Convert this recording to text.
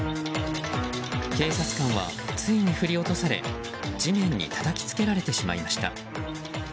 警察官はついに振り落とされ地面にたたきつけられてしまいました。